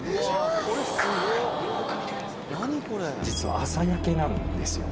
実は朝焼けなんですよ。